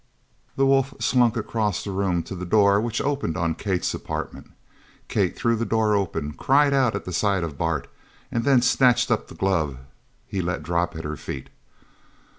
The wolf slunk across the room to the door which opened on Kate's apartment. Kate threw the door open cried out at the sight of Bart and then snatched up the glove he let drop at her feet.